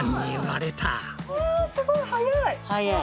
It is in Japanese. わぁすごい早い。